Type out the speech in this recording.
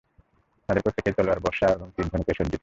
তাদের প্রত্যেকেই তলোয়ার, বর্শা এবং তীর-ধনুকে সজ্জিত।